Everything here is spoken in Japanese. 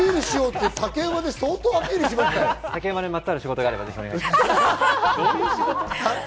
竹馬にまつわる仕事があればぜひお願いします。